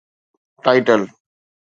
title